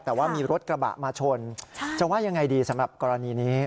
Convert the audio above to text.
แต่ว่ามีรถกระบะมาชนจะว่ายังไงดีสำหรับกรณีนี้